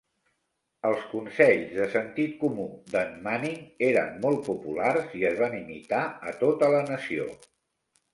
Els consells de sentit comú de"n Manning eren molt populars i es van imitar a tota la nació.